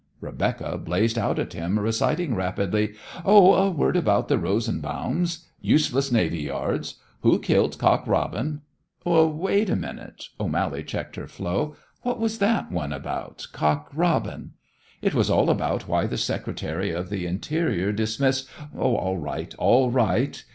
Rebecca blazed out at him, reciting rapidly: "Oh, 'A Word about the Rosenbaums,' 'Useless Navy Yards,' 'Who Killed Cock Robin' " "Wait a minute." O'Mally checked her flow. "What was that one about Cock Robin?" "It was all about why the secretary of the interior dismissed " "All right, all right.